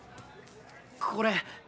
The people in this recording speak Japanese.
これ。